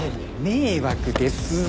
迷惑です。